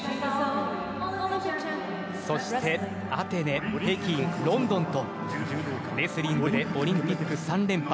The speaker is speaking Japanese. そしてアテネ、北京、ロンドンとレスリングでオリンピック３連覇